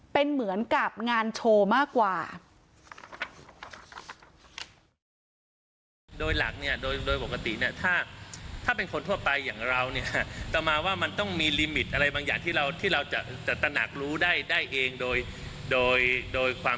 เป็นเหมือนกับงานโชว์มากกว่า